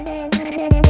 kau mau kemana